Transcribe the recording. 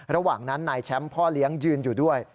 ระหว่างนั้นนายแชมป์พ่อเลี้ยงยืนอยู่ด้วย